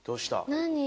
何？